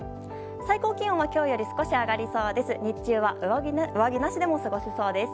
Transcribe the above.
最高気温は今日より少し上がりそうです。